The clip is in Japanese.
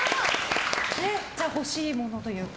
じゃあ、欲しいものというか？